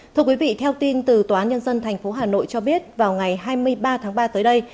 thưa quý vị theo tin từ tòa án nhân dân tp hà nội cho biết vào ngày hai mươi ba tháng ba tới đây